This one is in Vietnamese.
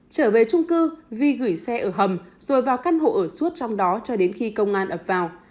trở về trung cư vi gửi xe ở hầm rồi vào căn hộ ở suốt trong đó cho đến khi công an ập vào